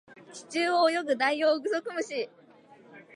地中を泳ぐダイオウグソクムシ